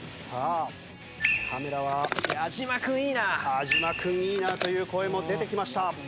「安嶋君いいな！」という声も出てきました。